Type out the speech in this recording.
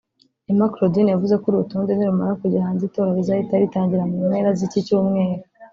Emma Claudine yavuze ko uru rutonde nirumara kujya hanze itora rizahita ritangira mu mpera z’iki cyumweru